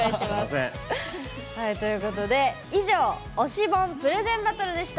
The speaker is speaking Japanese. ということで以上「推し本プレゼンバトル」でした。